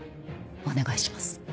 お願いします。